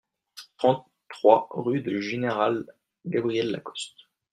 trente-trois rue du Général Gabriel Lacoste